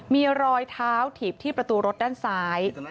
มีรอยเท้าถีบที่ประตูรถด้านซ้าย